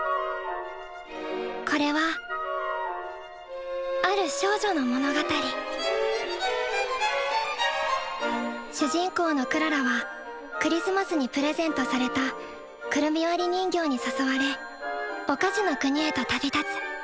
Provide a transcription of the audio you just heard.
これはある少女の物語主人公のクララはクリスマスにプレゼントされたくるみ割り人形に誘われお菓子の国へと旅立つ。